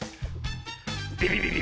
ビビビビ！